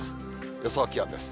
予想気温です。